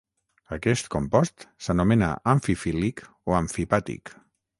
Aquest compost s'anomena "amfifílic" o "amfipàtic".